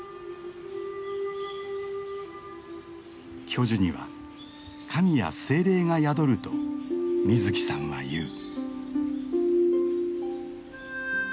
巨樹には神や精霊が宿ると水木さんは言う。